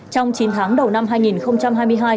trong chín tháng đầu năm hai nghìn hai mươi hai